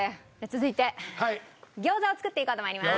続いて餃子を作っていこうと思います。